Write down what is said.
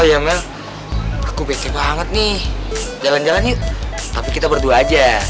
oh iya mel aku bese banget nih jalan jalan yuk tapi kita berdua aja